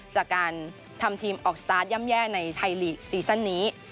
จากการทำทีมออกสตาร์ทย่ำแย่ในไทยลีกซีซั่นนี้